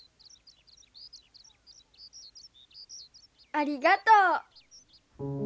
ありがと。